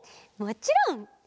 もちろん！